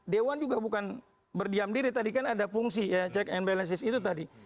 dewan juga bukan berdiam diri tadi kan ada fungsi ya check and balances itu tadi